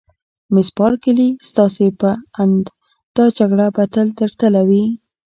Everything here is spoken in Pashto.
مس بارکلي: ستاسي په اند دا جګړه به تل تر تله وي؟